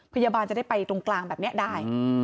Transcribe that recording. พยาบาลจะได้ไปตรงกลางแบบนี้ได้